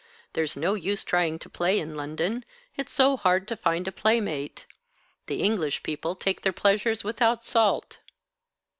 There's no use trying to play in London. It's so hard to find a playmate. The English people take their pleasures without salt."